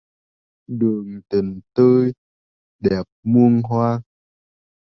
Đường tình tươi đẹp muôn hoa.